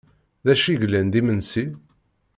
D acu yellan d imensi?